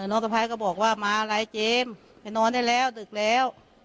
สะพ้ายก็บอกว่ามาอะไรเจมส์ไปนอนได้แล้วดึกแล้ว